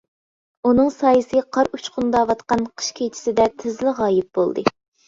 ئۇنىڭ سايىسى قار ئۇچقۇنداۋاتقان قىش كېچىسىدە تېزلا غايىب بولدى.